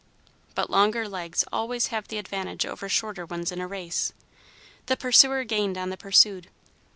But longer legs always have the advantage over shorter ones in a race. The pursuer gained on the pursued.